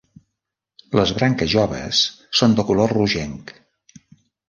Les branques joves són de color rogenc.